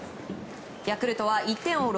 ヤクルトは１点を追う